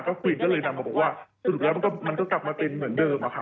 ก็คุยก็เลยนำมาบอกว่าสรุปแล้วมันก็กลับมาเป็นเหมือนเดิมอะครับ